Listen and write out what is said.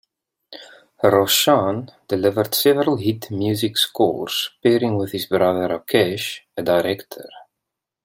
Roshan delivered several hit music scores pairing with his brother Rakesh, a director.